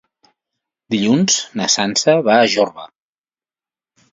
Dilluns na Sança va a Jorba.